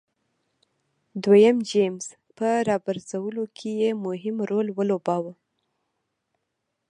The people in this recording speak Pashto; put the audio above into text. دویم جېمز په راپرځولو کې یې مهم رول ولوباوه.